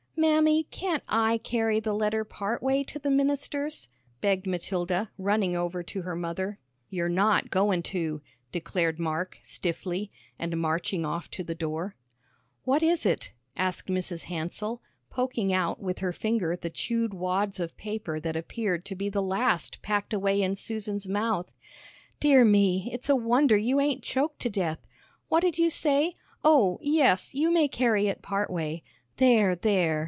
"Mammy, can't I carry the letter part way to the minister's?" begged Matilda, running over to her mother. "You're not goin' to," declared Mark, stiffly, and marching off to the door. "What is it?" asked Mrs. Hansell, poking out with her finger the chewed wads of paper that appeared to be the last packed away in Susan's mouth. "Dear me, it's a wonder you ain't choked to death. What'd you say? Oh, yes, you may carry it part way. There, there!"